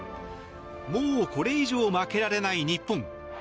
もうこれ以上負けられない日本。